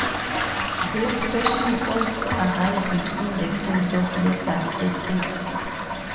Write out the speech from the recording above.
This question also arises in the field of legal ethics.